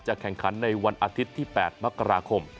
แข่งขันในวันอาทิตย์ที่๘มกราคม